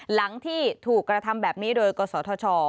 หลังที่ถูกกระทำแบบนี้โดยกศธช